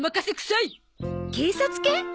警察犬？